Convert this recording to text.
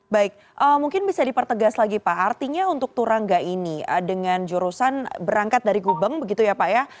baik mungkin bisa dipertegas lagi pak artinya untuk turangga ini dengan jurusan berangkat dari gubeng begitu ya pak ya